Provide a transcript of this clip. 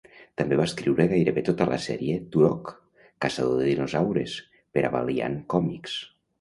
També va escriure gairebé tota la sèrie "Turok: Caçador de dinosaures" per a Valiant Comics.